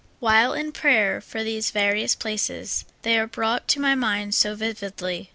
While in prayer for these various places, they are brought to my mind so vividly.